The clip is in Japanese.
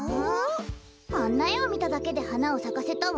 あんなえをみただけではなをさかせたわ。